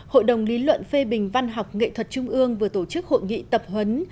hội đồng lý luận phê bình văn học nghệ thuật trung ương vừa tổ chức hội nghị tập huấn